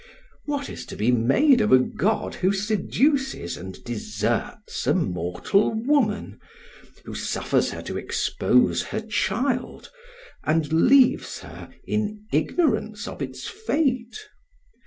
What is to be made of a god who seduces and deserts a mortal woman; who suffers her to expose her child, and leaves her in ignorance of its fate?